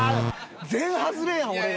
全外れやん俺ら。